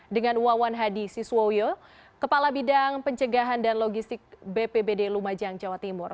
dengan wawan hadi siswayo kepala bidang pencegahan dan logistik bpbd lumajang jawa timur